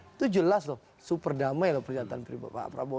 itu jelas loh super damai loh pernyataan pak prabowo